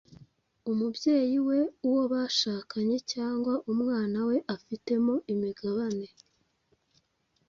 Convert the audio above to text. umubyeyi we, uwo bashakanye cyangwa umwana we afitemo imigabane